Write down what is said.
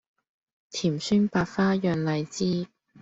甜酸百花釀荔枝